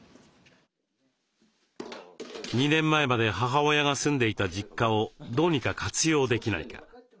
２年前まで母親が住んでいた実家をどうにか活用できないか。